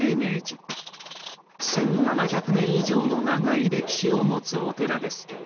１，７００年以上の長い歴史を持つお寺です。